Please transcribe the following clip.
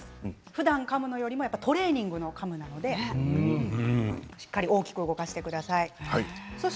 ふだん、かむのよりもトレーニングの、かむなのでしっかり大きく動かしてください。